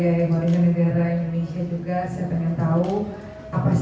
karena sudah menerima dan melayani saya dengan baik hari ini